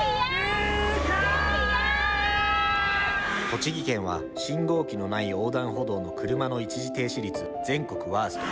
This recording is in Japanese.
栃木県は信号機のない横断歩道の車の一時停止率、全国ワースト。